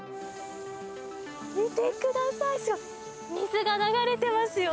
見てください、水が流れてますよ。